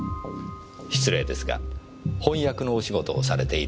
失礼ですが翻訳のお仕事をされているのでは？